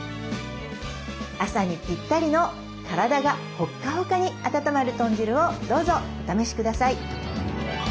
朝にピッタリの体がホッカホカに温まる豚汁をどうぞお試しください。